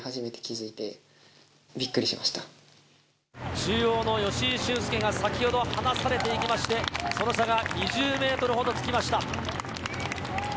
中央の吉居駿恭が先ほど離されていきまして、その差が２０ｍほどつきました。